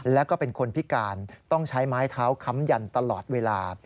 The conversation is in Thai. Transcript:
แล้วก็เป็นคนพิการต้องใช้ไม้เท้าค้ำยันตลอดเวลา